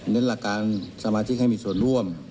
หลักการสมาชิกให้มีส่วนร่วม